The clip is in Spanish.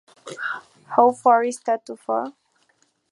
How Far Is Tattoo Far?